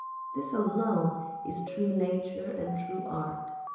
This alone is true nature and true art.